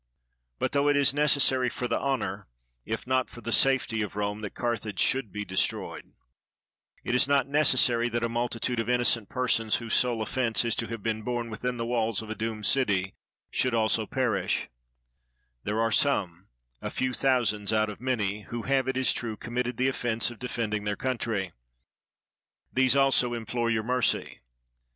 But though it is necessary for the honor, if not for the safety, of Rome, * A treaty was made between Rome and Carthage in the year 509 B.C. 291 NORTHERN AFRICA that Carthage should be destroyed, it is not necessary that a multitude of innocent persons, whose sole offense is to have been born within the walls of a doomed city, should also perish. There are some, a few thousands out of many, who have, it is true, committed the offense of defending their country; these also implore your mercy.